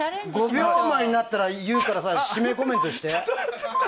５秒前になったら言うから締めコメントして。